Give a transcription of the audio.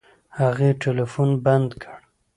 هغې ټلفون بند کړ.